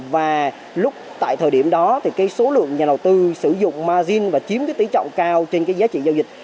và tại thời điểm đó thì cái số lượng nhà đầu tư sử dụng margin và chiếm cái tỉ trọng cao trên cái giá trị giao dịch